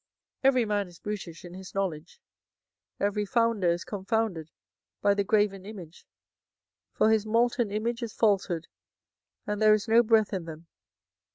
24:010:014 Every man is brutish in his knowledge: every founder is confounded by the graven image: for his molten image is falsehood, and there is no breath in them.